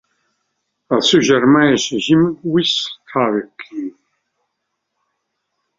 El seu germà és Jim Westlake.